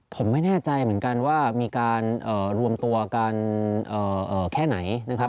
ผมไม่แน่ใจเหมือนกันว่ามีการรวมตัวกันแค่ไหนนะครับ